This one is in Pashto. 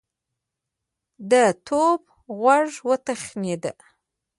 د تواب غوږ وتخڼېد.